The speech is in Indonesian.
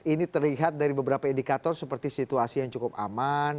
ini terlihat dari beberapa indikator seperti situasi yang cukup aman